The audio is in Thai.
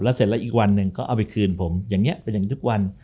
เสร็จแล้วอีกวันหนึ่งก็เอาไปคืนผมอย่างนี้เป็นอย่างนี้ทุกวัน